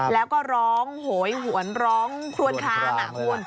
แล้วก็ร้องโหยหวนร้องครวนคลางคุณ